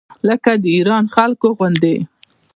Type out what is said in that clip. لکه د ایران خلکو غوندې.